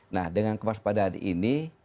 nah dengan kewaspadaan ini